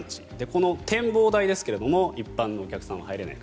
この展望台ですが一般のお客さんは入れない。